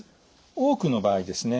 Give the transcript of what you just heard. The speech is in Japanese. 多くの場合ですね